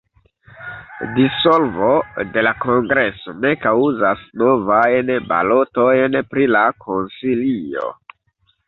Dissolvo de la Kongreso ne kaŭzas novajn balotojn pri la Konsilio.